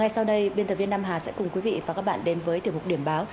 sau đây biên tập viên nam hà sẽ cùng quý vị và các bạn đến với tiểu mục điểm báo